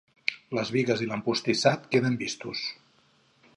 Les bigues i l'empostissat queden vistos.